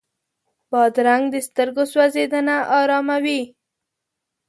بادرنګ د سترګو سوځېدنه اراموي.